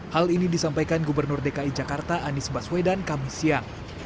hal ini disampaikan gubernur dki jakarta anies baswedan kami siang